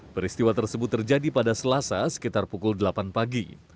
peristiwa tersebut terjadi pada selasa sekitar pukul delapan pagi